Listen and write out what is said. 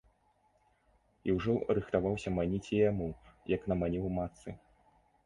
І ўжо рыхтаваўся маніць і яму, як наманіў матцы.